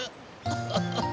フフフ。